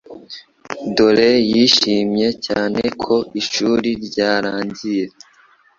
Dore yishimiye cyane ko ishuri ryarangiye.